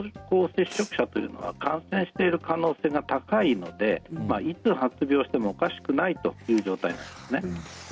濃厚接触者というのは感染している可能性が高いのでいつ発病してもおかしくないという状態なんですね。